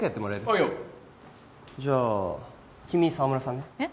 あいよじゃあ君沢村さんねえっ？